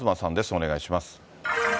お願いします。